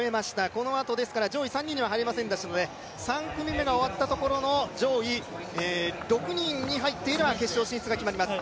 このあと、上位３人には入れませんでしたので３組目が終わったところの上位６人に入っていれば決勝進出が決まります。